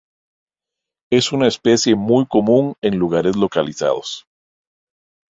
Es una especie muy común en lugares localizados.